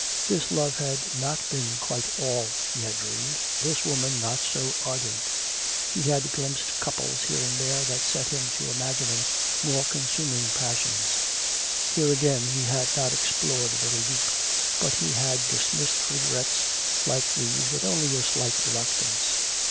This love had not been quite all he had dreamed, this woman not so ardent. He had glimpsed couples here and there that set him to imagining more consuming passions. Here again he had not explored very deep. But he had dismissed regrets like these with only a slight reluctance.